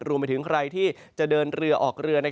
รวมไปถึงใครที่จะเดินเรือออกเรือ